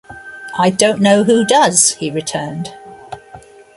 "I don't know who does," he returned.